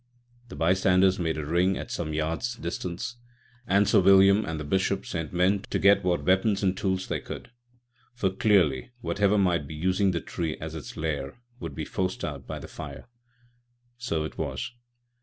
The bystanders made a ring at some yards' distance, and Sir William and the Bishop sent men to get what weapons and tools they could; for, clearly, whatever might be using the tree as its lair would be forced out by the fire. So it was.